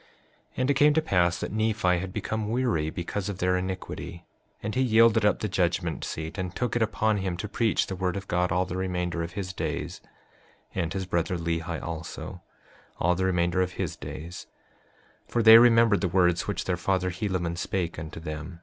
5:4 And it came to pass that Nephi had become weary because of their iniquity; and he yielded up the judgment seat, and took it upon him to preach the word of God all the remainder of his days, and his brother Lehi also, all the remainder of his days; 5:5 For they remembered the words which their father Helaman spake unto them.